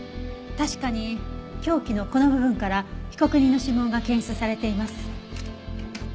確かに凶器のこの部分から被告人の指紋が検出されています。